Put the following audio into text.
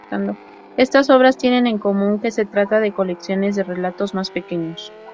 Estas obras tienen en común que se trata de colecciones de relatos más pequeños.